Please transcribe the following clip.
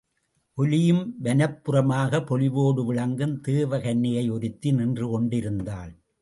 ஒலியும் வனப்புமாகப் பொலிவோடு விளங்கும் தேவ கன்னிகை ஒருத்தி நின்று கொண்டிருந்தாள்.